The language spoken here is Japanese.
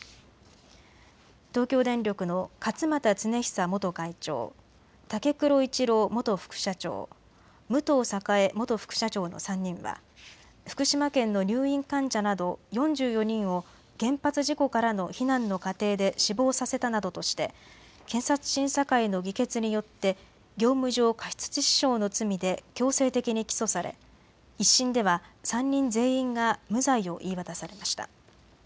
東京電力の勝俣恒久元会長、武黒一郎元副社長、武藤栄元副社長の３人は福島県の入院患者など４４人を原発事故からの避難の過程で死亡させたなどとして検察審査会の議決によって業務上過失致死傷の罪で強制的に起訴され１審では３人全員が無罪を言い渡されました。